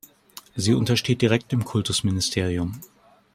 Sie untersteht direkt dem Kultusministerium.